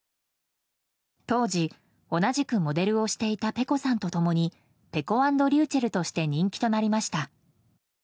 当時、同じくモデルをしていたｐｅｃｏさんと共にぺこ＆りゅうちぇるとして人気となりました。